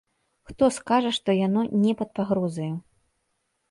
Хто скажа, што яно не пад пагрозаю?